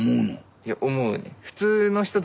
いや思う。